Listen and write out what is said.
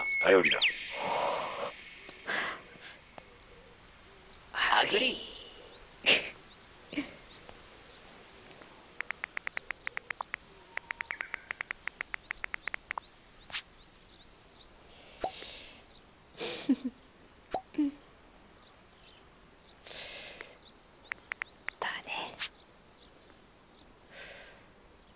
だね。